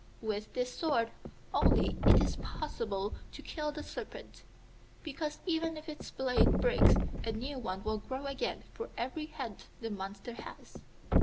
With this sword only it is possible to kill the Serpent, because even if its blade breaks a new one will grow again for every head the monster has.